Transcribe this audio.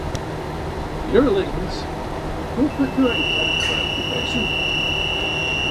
Eurlings a corporate director by occupation.